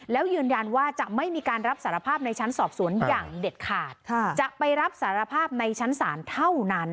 แล้วยืนยันว่าจะไม่มีการรับสารภาพในชั้นสอบสวนอย่างเด็ดขาดจะไปรับสารภาพในชั้นศาลเท่านั้น